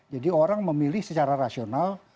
jadi orang memilih secara rasional